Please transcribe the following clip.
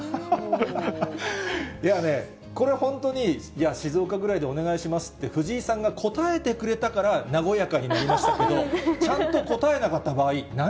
いやね、これ本当に、いや、静岡ぐらいでお願いしますって藤井さんが答えてくれたから、和やかになりましたけど、ちゃんと答えなかった場合、何？